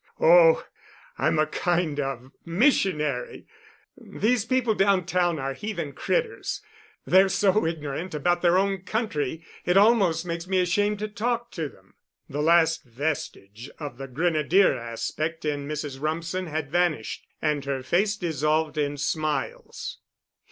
"Oh, I'm a kind of missionary. These people downtown are heathen critters. They're so ignorant about their own country it almost makes me ashamed to talk to them." The last vestige of the grenadier aspect in Mrs. Rumsen had vanished, and her face dissolved in smiles.